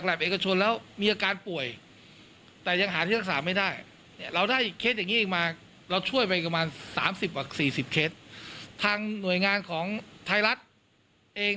เราช่วยเป็นประมาณ๓๐กว่า๔๐เคล็ดทางหน่วยงานของท้ายรัฐเอง